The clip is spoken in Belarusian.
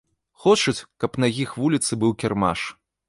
Хочуць, каб на іх вуліцы быў кірмаш.